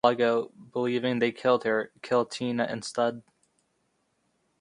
While resisting arrest, he shot a security guard in the hand.